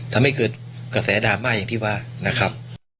ทำให้เกิดกระแสดราม่าอย่างที่ว่านะครับ